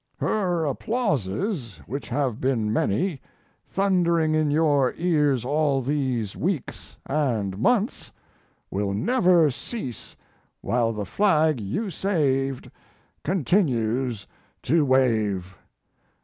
Her applauses, which have been many, thundering in your ears all these weeks and months, will never cease while the flag you saved continues to wave.